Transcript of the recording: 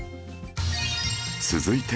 続いて